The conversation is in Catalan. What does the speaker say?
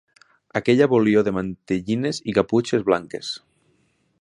Aquella volior de mantellines i caputxes blanques.